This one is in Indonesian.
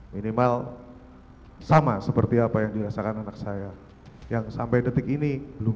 minimal sama seperti apa yang dirasakan anak saya yang sampai detik ini belum